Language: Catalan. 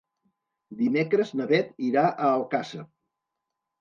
Dimecres na Beth irà a Alcàsser.